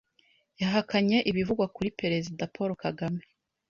yahakanye ibivugwa kuri Perezida Paul Kagame